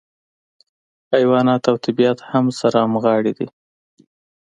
حیوانات او طبیعت هم سره همغاړي دي.